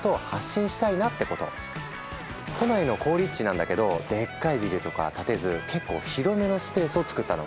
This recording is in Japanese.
都内の好立地なんだけどでっかいビルとかは建てず結構広めのスペースをつくったの。